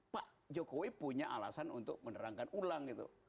pak jokowi punya alasan untuk menerangkan ulang gitu